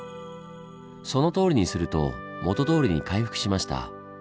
そのとおりにするともとどおりに回復しました。